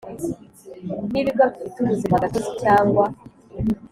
nibigo bifite ubuzima gatozi cyangwa